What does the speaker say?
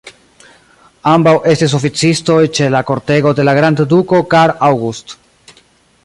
Ambaŭ estis oficistoj ĉe la kortego de la grandduko Carl August.